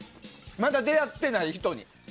まだ出会ってない人に。